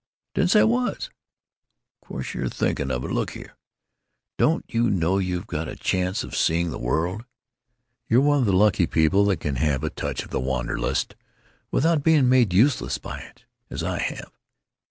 "Didn't say I was." "Of course you're thinking of it. Look here. Don't you know you've got a chance of seeing the world? You're one of the lucky people that can have a touch of the wanderlust without being made useless by it—as I have.